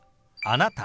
「あなた」。